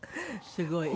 すごい。